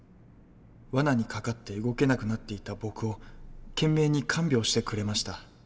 わなに掛かって動けなくなっていた僕を懸命に看病してくれました。